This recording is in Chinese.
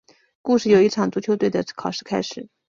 故事由一场足球队的考试开始。